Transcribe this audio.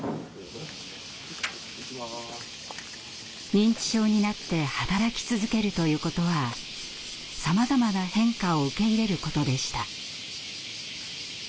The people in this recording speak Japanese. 認知症になって働き続けるということはさまざまな変化を受け入れることでした。